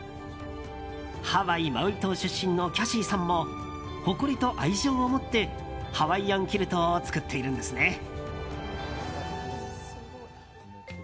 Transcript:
ハワイ・マウイ島出身のキャシーさんも誇りと愛情を持ってハワイアンキルトを作ってるんですね。